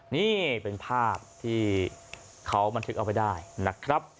นี่เป็นภาพที่เขาบันทึกเอาไว้ได้นะครับ